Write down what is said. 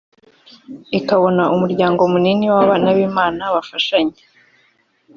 ikabona umuryango munini w’abana b’Imana bafashanya